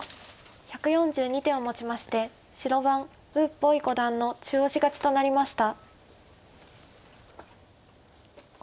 １４２手をもちまして白番呉柏毅五段の中押し勝ちとなりました。